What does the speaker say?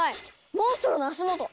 モンストロの足元。